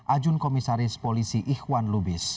ajun komisaris polisi ikhwan lubis